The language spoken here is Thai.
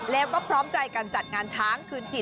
แล้วก็พร้อมใจกันจัดงานช้างคืนถิ่น